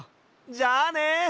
じゃあね！